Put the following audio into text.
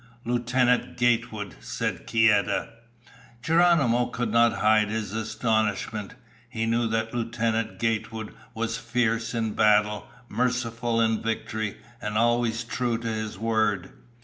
"Lieutenant Gatewood," said Kieta. Geronimo could not hide his astonishment. He knew that Lieutenant Gatewood was fierce in battle, merciful in victory, and always true to his word.